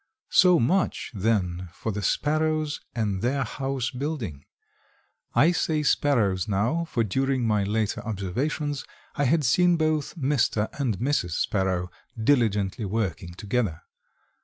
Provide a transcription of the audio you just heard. So much, then, for the sparrows and their house building. I say sparrows now, for during my later observations I had seen both Mr. and Mrs. Sparrow diligently working together.